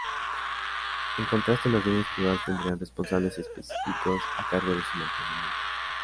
En contraste, los bienes privados tendrían responsables específicos a cargo de su mantenimiento.